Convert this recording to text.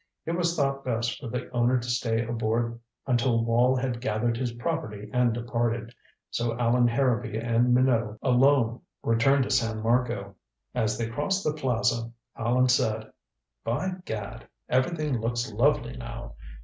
It was thought best for the owner to stay aboard until Wall had gathered his property and departed, so Allan Harrowby and Minot alone returned to San Marco. As they crossed the plaza Allan said: "By gad everything looks lovely now.